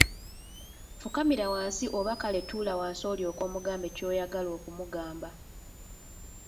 Fukamira wansi oba kale tuula wansi olyoke omugambe ky'oyagala okumugamba.